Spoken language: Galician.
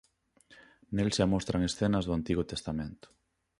Nel se mostran escenas do Antigo Testamento.